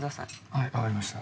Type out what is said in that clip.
はいわかりました。